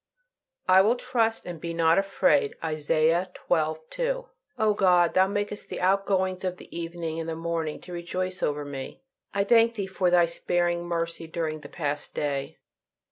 "I will trust, and be not afraid." Isaiah xii. 2. O God, Thou makest the outgoings of the evening and the morning to rejoice over me. I thank Thee for Thy sparing mercy during the past day.